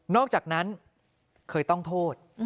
อกจากนั้นเคยต้องโทษ